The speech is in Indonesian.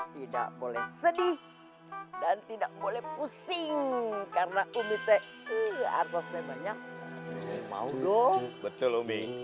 tidak boleh sedih dan tidak boleh pusing karena umit teks artosnya banyak mau dong betul umi